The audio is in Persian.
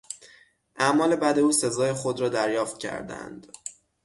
اعمال بد او سزای خود را دریافت کردهاند.